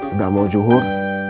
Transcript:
udah mau syukur